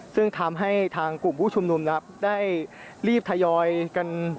ซึ่งทำให้ทางกลุ่มผู้ชุมนุมนะครับได้รีบทยอยกัน